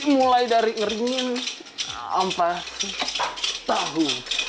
mulai dari ngeringin tahu